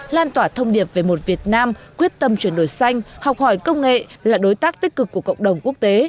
lan tỏa thông điệp về một việt nam quyết tâm chuyển đổi xanh học hỏi công nghệ là đối tác tích cực của cộng đồng quốc tế